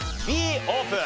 Ｂオープン。